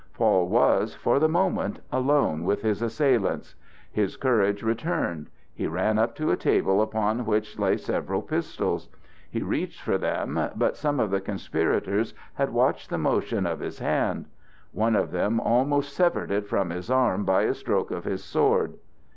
Paul was, for the moment, alone with his assailants. His courage returned. He ran up to a table upon which lay several pistols. He reached for them, but some of the conspirators had watched the motion of his hand; one of them almost severed it from his arm by a stroke of his sword.